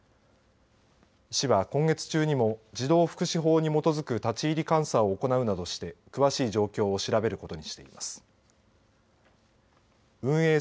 市は、今月中にも児童福祉法に基づく立ち入り監査を行うなどして詳しい状況を調べることにしています。